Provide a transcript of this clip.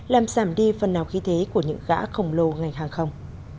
làm giảm đi phần nào khí thế của những gã khổng lồ ngành hàng không